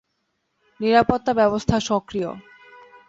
নিরাপত্তা ব্যবস্থা সক্রিয়!